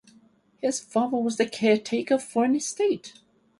His father was the caretaker for an estate.